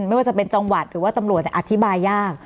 ไม่ว่าจะเป็นจังหวัดหรือว่าตำรวจอธิบายยาก